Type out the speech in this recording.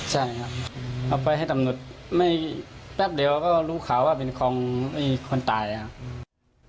ใช่ครับเอาไปให้ตำรวจไม่แป๊บเดียวก็รู้ข่าวว่าเป็นของคนตายครับ